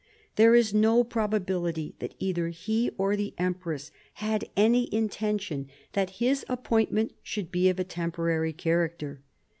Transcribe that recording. There is no probability that either he or the empress had any intention that his appointment should be of a temporary character.